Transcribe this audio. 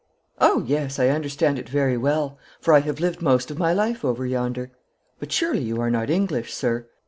'Oh yes, I understand it very well, for I have lived most of my life over yonder. But surely you are not English, sir?